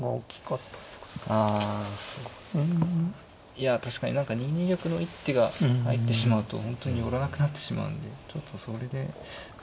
いや確かに何か２二玉の一手が入ってしまうと本当に寄らなくなってしまうんでちょっとそれで焦りが出てしまったのもあるので。